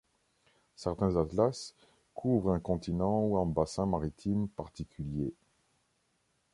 Certains atlas couvrent un continent ou un bassin maritime particulier.